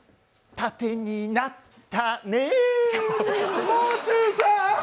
盾になった。